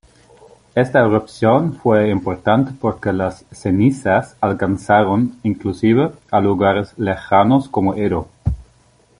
Esta erupción fue importante porque las cenizas alcanzaron inclusive a lugares lejanos como Edo.